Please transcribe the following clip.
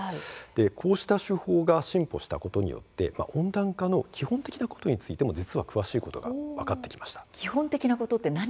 こうした手法が進歩したことによって温暖化の基本的なことについても詳しいことが分かってきました。